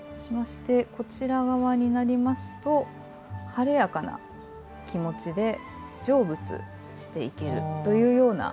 こちら側になりますと晴れやかな気持ちで成仏していけるというような